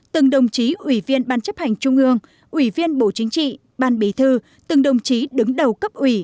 từng đồng chí ủy viên ban chấp hành trung ương ủy viên bộ chính trị ban bí thư từng đồng chí đứng đầu cấp ủy